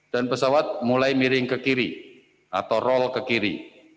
dan pesawat mulai miring ke kiri atau roll ke kiri